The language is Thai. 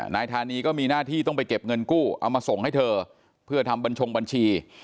นายธานีก็มีหน้าที่ต้องไปเก็บเงินกู้เอามาส่งให้เธอเพื่อทำบัญชงบัญชี